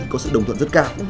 có sự đồng thuận rất cao